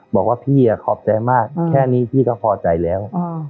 บอกว่าพี่ขอบใจมากแค่นี้พี่ก็พอใจแล้ว